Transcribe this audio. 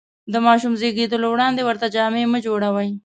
د ماشوم زېږېدلو وړاندې ورته جامې مه جوړوئ.